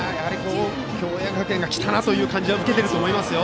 共栄学園が来たなという感じは受けていると思います。